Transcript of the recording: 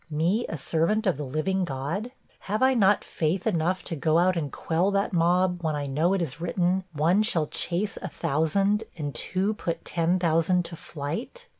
Me, a servant of the living God? Have I not faith enough to go out and quell that mob, when I know it is written "One shall chase a thousand, and two put ten thousand to flight"?